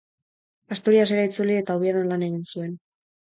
Asturiasera itzuli eta Oviedon lan egin zuen.